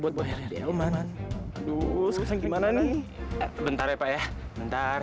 buat bayar ya uman aduh sekarang gimana nih bentar ya pak ya bentar